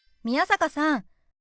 宮坂さん